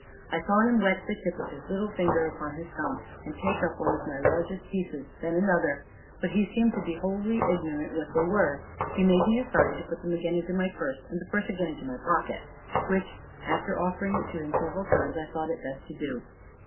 I saw him wet the tip of his little finger upon his tongue, and take up one of my largest pieces, and then another; but he seemed to be wholly ignorant what they were. He made me a sign to put them again into my purse, and the purse again into my pocket, which, after offering it to him several times, I thought it best to do.